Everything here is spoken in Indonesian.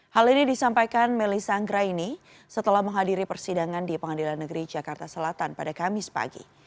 hal ini disampaikan melisa anggraini setelah menghadiri persidangan di pengadilan negeri jakarta selatan pada kamis pagi